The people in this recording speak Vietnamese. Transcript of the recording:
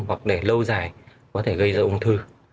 hoặc để lâu dài có thể gây ra ung thư